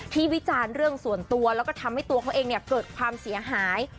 วิจารณ์เรื่องส่วนตัวแล้วก็ทำให้ตัวเขาเองเกิดความเสียหาย